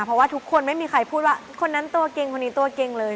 เพราะว่าทุกคนไม่มีใครพูดว่าคนนั้นตัวเก่งคนนี้ตัวเก่งเลย